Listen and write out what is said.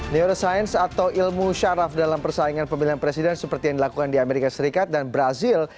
neuroscience atau ilmu syaraf dalam persaingan pemilihan presiden seperti yang dilakukan di amerika serikat dan brazil